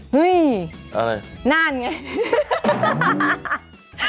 เฮ้ยนั่นไง